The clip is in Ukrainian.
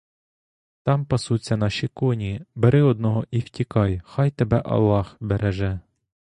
Там пасуться наші коні, бери одного і втікай, хай тебе аллах береже!